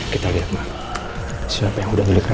kita lihat ma siapa yang udah milih kareka